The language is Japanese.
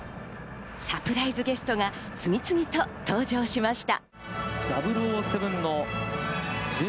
サプライズゲストが次々と登場しました。